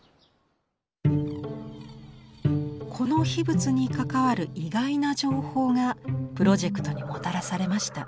この秘仏に関わる意外な情報がプロジェクトにもたらされました。